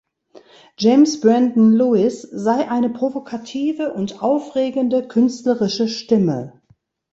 James Brandon Lewis sei eine provokative und aufregende künstlerische Stimme.